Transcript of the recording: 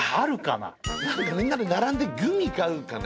なんかみんなで並んでグミ買うかね？